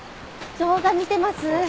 動画見てます。